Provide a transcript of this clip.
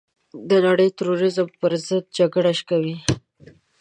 نړۍ د تروريزم پرضد جګړه کوي.